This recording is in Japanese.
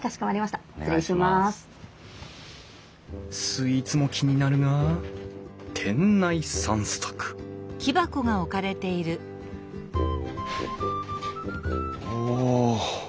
スイーツも気になるが店内散策お！